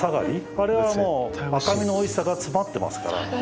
あれはもう赤身のおいしさが詰まってますから。